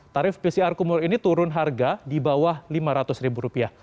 tarif pcr kumur ini turun harga di bawah rp lima ratus